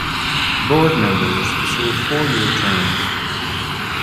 Board members serve four-year terms.